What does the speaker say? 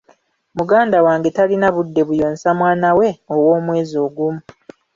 Muganda wange talina budde buyonsa mwana we ow'omwezi ogumu.